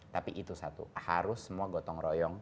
tapi itu satu harus semua gotong royong